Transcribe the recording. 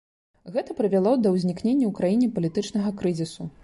Гэта прывяло да ўзнікнення ў краіне палітычнага крызісу.